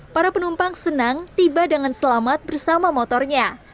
para penumpang senang tiba dengan selamat bersama motornya